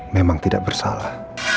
memang tidak bersalah